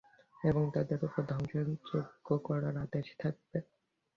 এবং তাদের উপর ধ্বংসযজ্ঞ করার আদেশ থাকবে।